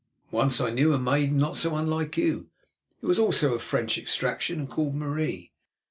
"Once I knew a maiden not unlike you who was also of French extraction and called Marie.